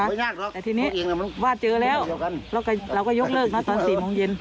แต่ทีนี้วาดเจอแล้วเราก็ยกเลิกนะตอน๔โมงเย็น